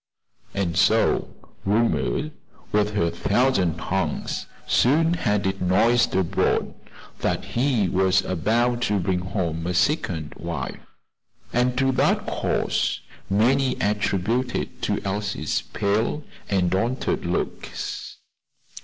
And so "Rumor, with her thousand tongues," soon had it noised abroad that he was about to bring home a second wife, and to that cause many attributed Elsie's pale and altered looks.